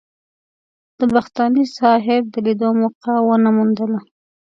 د بختاني صاحب د لیدو موقع ونه موندله.